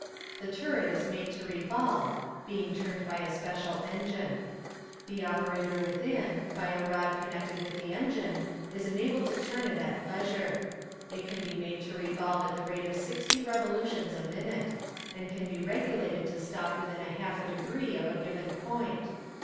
The turret is made to revolve, being turned by a special engine. The operator within, by a rod connected with the engine, is enabled to turn it at pleasure. It can be made to revolve at the rate of sixty revolutions a minute, and can be regulated to stop within half a degree of a given point.